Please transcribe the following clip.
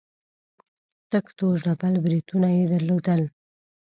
تک تور ډبل برېتونه يې درلودل.